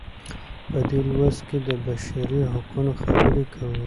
په دې لوست کې د بشري حقونو خبرې کوو.